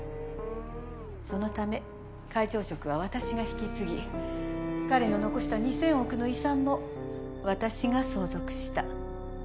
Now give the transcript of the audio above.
そのため会長職は私が引き継ぎ彼の残した２０００億の遺産も私が相続した。